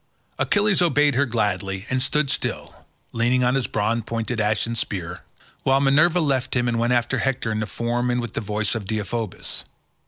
Achilles obeyed her gladly, and stood still, leaning on his bronze pointed ashen spear, while Minerva left him and went after Hector in the form and with the voice of Deiphobus.